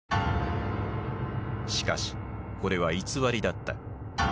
しかしこれは偽りだった。